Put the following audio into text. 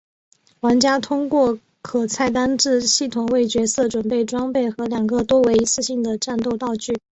玩家通过可菜单制系统为角色准备装备和两个多为一次性的战斗道具。